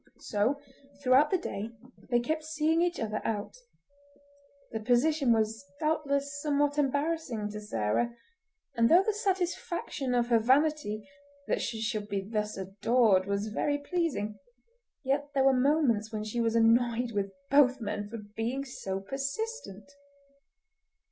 So, throughout the day, they kept seeing each other out. The position was doubtless somewhat embarrassing to Sarah, and though the satisfaction of her vanity that she should be thus adored was very pleasing, yet there were moments when she was annoyed with both men for being so persistent.